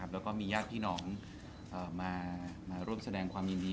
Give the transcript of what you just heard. แล้วก็มีญาติพี่น้องมาร่วมแสดงความยินดี